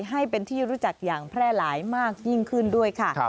ให้เป็นที่รู้จักอย่างแพร่หลายมากยิ่งขึ้นด้วยค่ะ